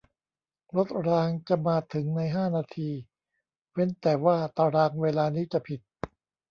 รถรางจะมาถึงในห้านาทีเว้นแต่ว่าตารางเวลานี้จะผิด